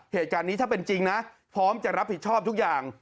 เหตุการณ์นี้ถ้าเป็นจริงนะพร้อมจะรับผิดชอบทุกอย่าง